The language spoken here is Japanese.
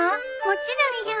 もちろんよ。